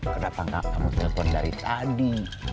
kenapa nggak kamu telpon dari tadi